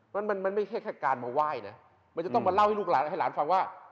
มันไม่ใช่แค่การมาไหว้เนี่ยมันจะต้องมาเล่าให้ลูกหลานฟังว่า